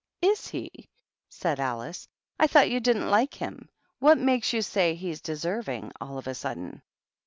" Is he ?" said Alice. " I thought you didn't like him. What makes you say he's deservingj all of a sudden